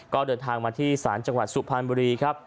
ก็เดินทางมาที่ศาลจังหวัดสุพรรณบุรีครับ